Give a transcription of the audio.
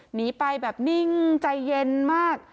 หนีไปแบบนิ่งใจเย็นมาก